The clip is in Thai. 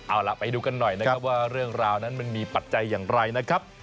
เอาล่ะไปดูกันหน่อยนะครับว่าเรื่องราวนั้นมันมีปัจจัยอย่างไรนะครับ